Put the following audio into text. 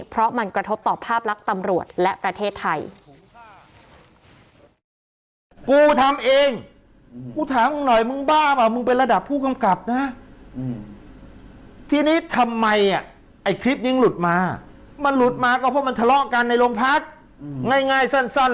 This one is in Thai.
เพราะมันกระทบต่อภาพลักษณ์ตำรวจและประเทศไทย